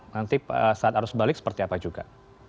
nanti saat arus balik seperti apa juga